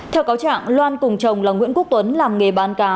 theo cáo trạng loan cùng chồng là nguyễn quốc tuấn làm nghề bán cá